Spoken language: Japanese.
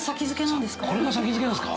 これが先付なんですか？